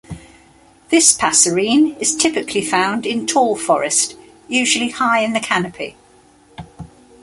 This passerine is typically found in tall forest, usually high in the canopy.